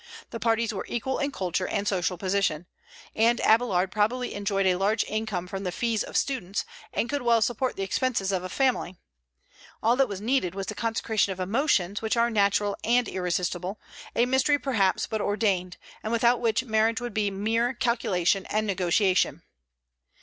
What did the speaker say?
The parties were equal in culture and social position. And Abélard probably enjoyed a large income from the fees of students, and could well support the expenses of a family. All that was needed was the consecration of emotions, which are natural and irresistible, a mystery perhaps but ordained, and without which marriage would be mere calculation and negotiation.